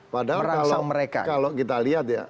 padahal kalau kita lihat ya